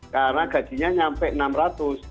karena gajinya sampai rp enam ratus